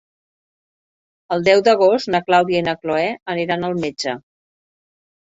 El deu d'agost na Clàudia i na Cloè aniran al metge.